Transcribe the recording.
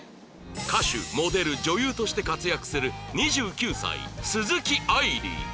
歌手モデル女優として活躍する２９歳鈴木愛理